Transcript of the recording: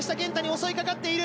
襲い掛かっている！